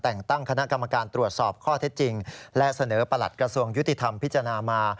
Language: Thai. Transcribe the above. แต่งตั้งคณะกรรมการตรวจสอบข้อเท็จจริงและเสนอประหลัดกระทรวงยุติธรรมพิจารณามา